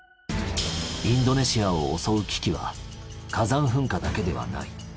インドネシアを襲う危機は火山噴火だけではない。